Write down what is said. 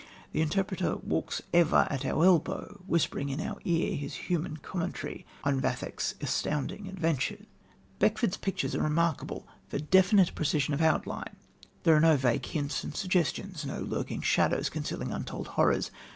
The interpreter walks ever at our elbow whispering into our ear his human commentary on Vathek's astounding adventures. Beckford's pictures are remarkable for definite precision of outline. There are no vague hints and suggestions, no lurking shadows concealing untold horrors.